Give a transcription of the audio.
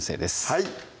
はい